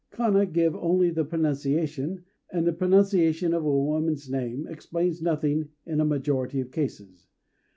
Kana give only the pronunciation; and the pronunciation of a woman's name explains nothing in a majority of cases.